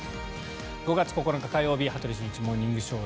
５月９日、火曜日「羽鳥慎一モーニングショー」。